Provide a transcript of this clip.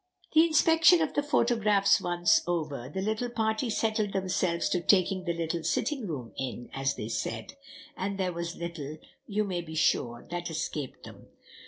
The inspection of the photographs once over, the little party settled themselves to "taking the little sitting room in," as they said, and there was little, you may be sure, that escaped them.